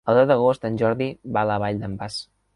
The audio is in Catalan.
El deu d'agost en Jordi va a la Vall d'en Bas.